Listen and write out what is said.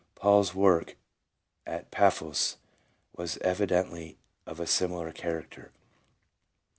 Paul's work at Paphos was evi dently of a similar character.